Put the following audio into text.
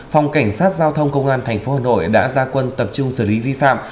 phòng cảnh sát giao thông công an tp hà nội đã ra quân tập trung xử lý vi phạm